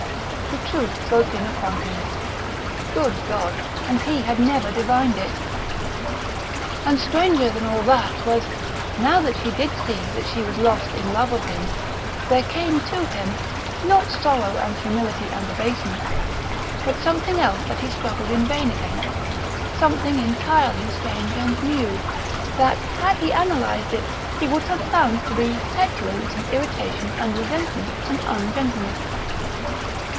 The truth broke in upon him. Good God!... And he had never divined it! And stranger than all was that, now that he did see that she was lost in love of him, there came to him, not sorrow and humility and abasement, but something else that he struggled in vain against something entirely strange and new, that, had he analysed it, he would have found to be petulance and irritation and resentment and ungentleness.